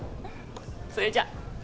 それじゃ。